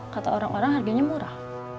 kata orang orang harganya murah